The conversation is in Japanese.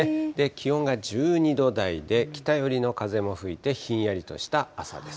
気温が１２度台で北寄りの風も吹いてひんやりとした朝です。